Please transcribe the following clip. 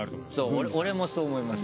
俺もそう思います